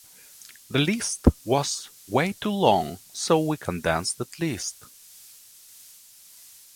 The list was way too long so we condensed that list.